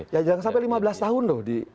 ya jangan sampai lima belas tahun loh